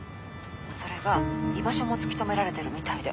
それが居場所も突き止められてるみたいで。